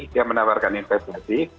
dia menawarkan investasi